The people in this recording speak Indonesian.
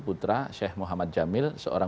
putra sheikh muhammad jamil seorang